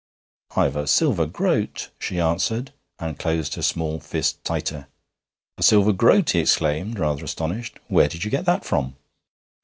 'I've a silver groat,' she answered, and closed her small fist tighter. 'A silver groat!' he exclaimed, rather astonished. 'Where did you get that from?'